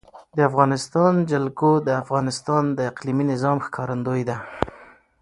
د افغانستان جلکو د افغانستان د اقلیمي نظام ښکارندوی ده.